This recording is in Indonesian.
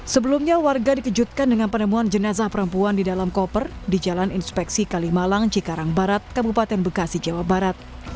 sebelumnya warga dikejutkan dengan penemuan jenazah perempuan di dalam koper di jalan inspeksi kalimalang cikarang barat kabupaten bekasi jawa barat